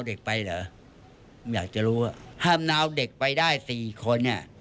เอาเด็กไปได้๔คน